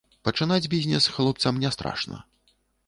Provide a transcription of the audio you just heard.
Пачынаць бізнес хлопцам не страшна.